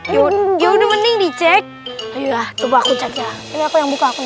yuk yuk mending dicek ya coba aku cek ya ini aku yang buka aku